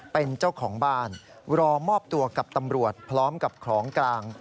เป็นเจ้าของบ้านรอมอบตัวกับตำรวจพร้อมกับของกลาง